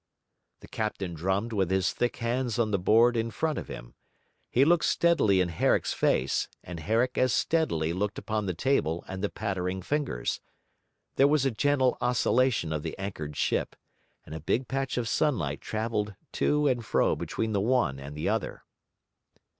The captain drummed with his thick hands on the board in front of him; he looked steadily in Herrick's face, and Herrick as steadily looked upon the table and the pattering fingers; there was a gentle oscillation of the anchored ship, and a big patch of sunlight travelled to and fro between the one and the other.